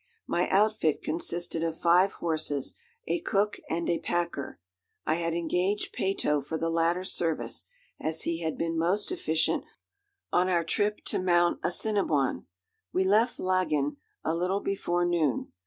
My outfit consisted of five horses, a cook, and a packer. I had engaged Peyto for the latter service, as he had been most efficient on our trip to Mount Assiniboine. We left Laggan a little before noon.